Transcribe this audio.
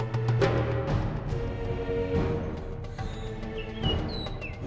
baiklah eh sumpah